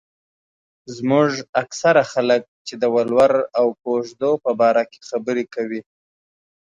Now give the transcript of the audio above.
زموږ اکثره خلک چې د ولور او کوژدو په باره کې خبره کوي.